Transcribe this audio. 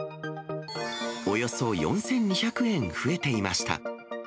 およそ４２００円増えていました。